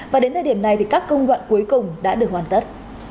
và đến thời điểm này thì các công đoạn cuối cùng đã được hoàn tất